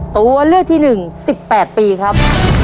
ตัวเลือกที่๑๑๘ปีครับ